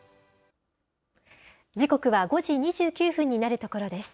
時刻は５時２９分になるところです。